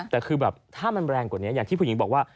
แต่คือแบบถ้ามันแรงกว่านี้อย่างที่ผู้หญิงบอกว่า